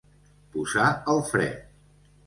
Posar el fre.